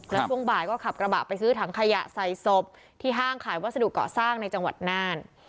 แล้วช่วงบ่ายก็ขับกระบะไปซื้อถังขยะใส่ศพที่ห้างขายวัสดุเกาะสร้างในจังหวัดน่าน